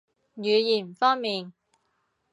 語言方面